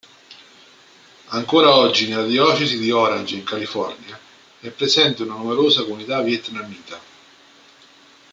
Ancora oggi nella diocesi di Orange in California è presente una numerosa comunità vietnamita.